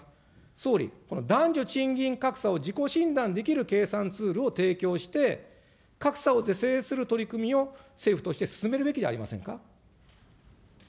総理、男女賃金格差を自己診断できる計算ツールを提供して、格差を是正する取り組みを政府として進めるべきじゃありませんか。